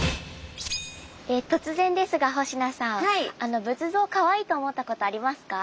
突然ですが星名さん仏像をかわいいと思ったことありますか？